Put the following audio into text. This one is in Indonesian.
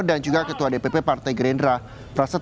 dan juga ketua dpp partai gerindra soefmi dasko ahmad